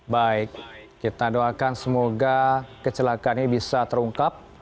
baik kita doakan semoga kecelakaan ini bisa terungkap